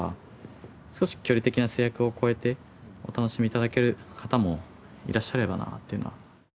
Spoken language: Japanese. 少し距離的な制約を超えてお楽しみ頂ける方もいらっしゃればなというのは。